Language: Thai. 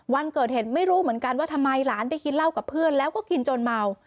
วันเกิดเหตุไม่รู้เหมือนกันว่าทำไมหลานไปกินเหล้ากับเพื่อนแล้วก็กินจนเมา